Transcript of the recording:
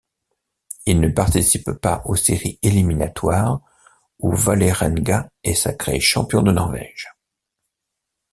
Il ne participe pas aux séries éliminatoires où Vålerenga est sacré champion de Norvège.